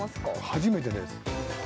初めてです。